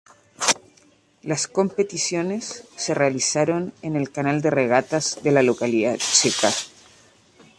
Las competiciones se realizaron en el canal de regatas de la localidad checa.